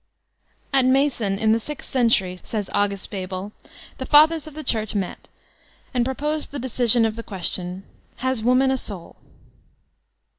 At Macon, in the sixth century, says August Bebel, the fathers of the Church met and proposed the dedsioa of the question, ''Has woman a soul?''